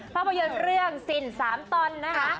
ภาพยนตร์เรื่องสิน๓ตอนนะคะ